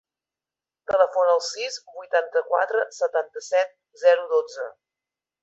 Telefona al sis, vuitanta-quatre, setanta-set, zero, dotze.